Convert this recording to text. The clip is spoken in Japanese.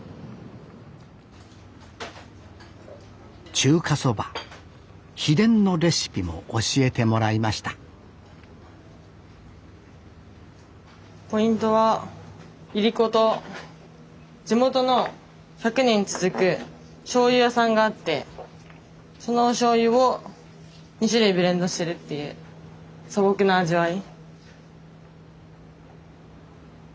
中華そば秘伝のレシピも教えてもらいましたポイントはいりこと地元の１００年続くしょうゆ屋さんがあってそのおしょうゆを２種類ブレンドしてるっていう素朴な味わい。